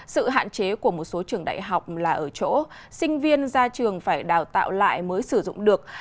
sự hạn chế của một số trường đại học là ở chỗ sinh viên ra trường phải đào tạo lại mới sử dụng được